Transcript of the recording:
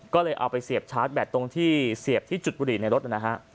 ก็เลยเอาไปเสียบชาร์จแบตตรงที่เสียบที่จุดบุหรี่ในรถนะฮะ